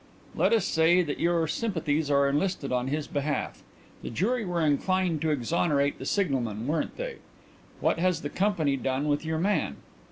"Let us say that your sympathies are enlisted on his behalf. The jury were inclined to exonerate the signalman, weren't they? What has the company done with your man?"